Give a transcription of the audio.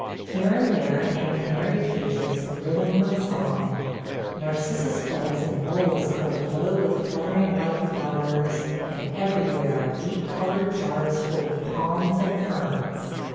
Here and there hang canary cages thrilling with song. Narcissus bulbs in bowls are ablow with fluttering white flowers, and everywhere are deep colored jars full of palms and ferns.